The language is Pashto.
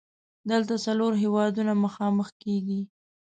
دلته څلور هیوادونه مخامخ کیږي.